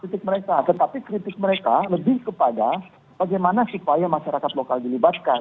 kritik mereka tetapi kritik mereka lebih kepada bagaimana supaya masyarakat lokal dilibatkan